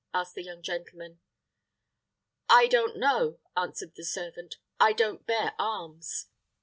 asked the young gentleman. "I don't know," answered the servant; "I don't bear arms."